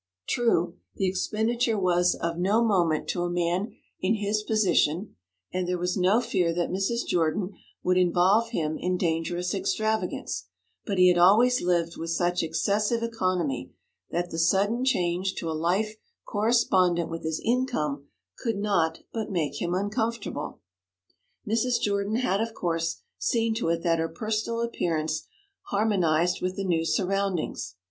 True, the expenditure was of no moment to a man in his position, and there was no fear that Mrs. Jordan would involve him in dangerous extravagance; but he had always lived with such excessive economy that the sudden change to a life correspondent with his income could not but make him uncomfortable. Mrs. Jordan had, of course, seen to it that her personal appearance harmonized with the new surroundings.